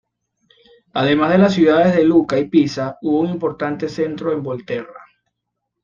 Además de las ciudades de Lucca y Pisa hubo un importante centro en Volterra.